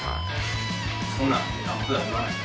そんなんってあんまふだん言わないですか？